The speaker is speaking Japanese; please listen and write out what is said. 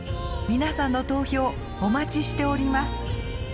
皆さんの投票お待ちしております。